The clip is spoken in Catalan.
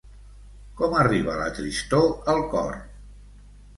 Com arriba la tristor al cor?